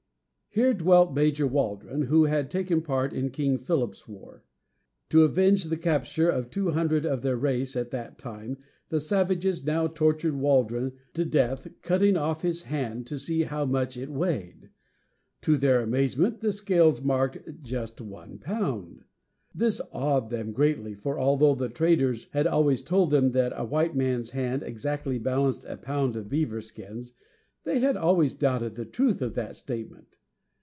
Here dwelt Major Wal´dron, who had taken part in King Philip's war. To avenge the capture of two hundred of their race at that time, the savages now tortured Waldron to death, cutting off his hand to see how much it weighed. To their amazement, the scales marked just one pound! This awed them greatly, for although the traders had always told them that a white man's hand exactly balanced a pound of beaver skins, they had always doubted the truth of that statement.